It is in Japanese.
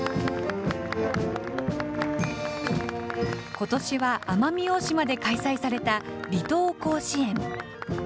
ことしは奄美大島で開催された離島甲子園。